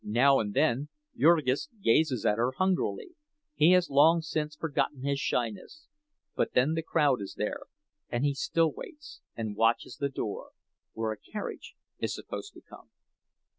Now and then Jurgis gazes at her hungrily—he has long since forgotten his shyness; but then the crowd is there, and he still waits and watches the door, where a carriage is supposed to come.